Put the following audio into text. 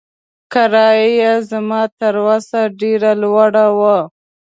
کرایه یې زما تر وس ډېره لوړه وه.